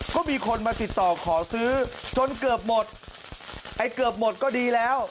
ก็มีคนมาติดต่อขอซื้อจนเกือบหมดไอ้เกือบหมดก็ดีแล้ว